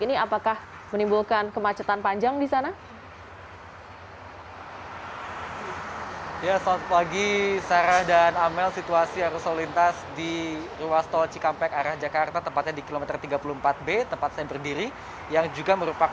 ini apakah menimbulkan kemacetan panjang di sana